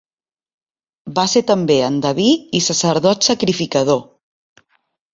Va ser també endeví i sacerdot sacrificador.